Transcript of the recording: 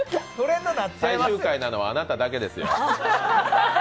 最終回なのはあなただけですよ。